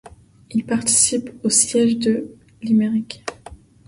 Il participe au siège de Limerick.